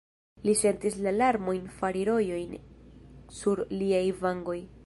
Li sentis la larmojn fari rojojn sur liaj vangoj.